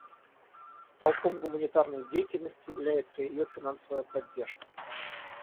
Столпом гуманитарной деятельности является ее финансовая поддержка.